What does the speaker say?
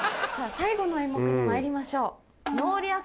最後の演目にまいりましょう。